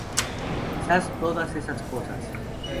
Quizás todas esas cosas.